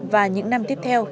và những năm tiếp theo